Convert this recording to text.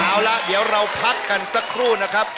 เอาละเดี๋ยวเราพักกันสักครู่นะครับ